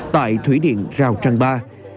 tại thủy điện rào trăng ba